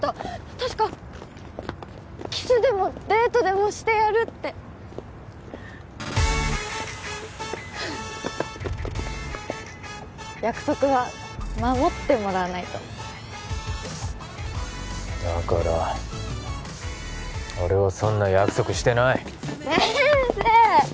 確かキスでもデートでもしてやるって約束は守ってもらわないとだから俺はそんな約束してない先生